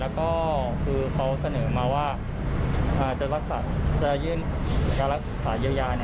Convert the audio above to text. แล้วก็คือเขาเสนอมาว่าจะยื่นการรักษาเยียวยา